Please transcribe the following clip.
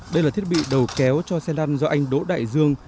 đây là thiết bị đầu kéo cho xe lăn do anh đỗ đại dương